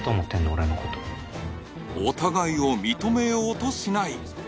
俺のことお互いを認めようとしない